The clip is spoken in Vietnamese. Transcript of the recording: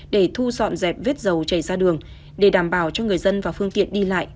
để thu dọn dẹp vết dầu chảy ra đường để đảm bảo cho người dân và phương tiện đi lại